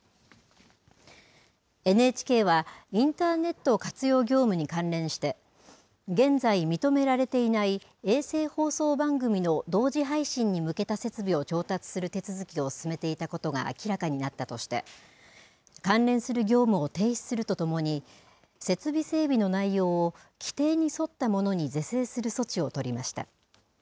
ＮＨＫはインターネット活用業務に関連して現在認められていない衛星放送番組の同時配信に向けた設備を調達する手続きを進めていたことが明らかになったとして関連する業務を停止するとともに設備整備の内容を規定に沿ったものに是正する措置を取りました。